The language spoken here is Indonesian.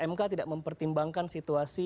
mk tidak mempertimbangkan situasi